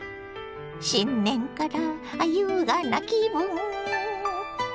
新年から優雅な気分。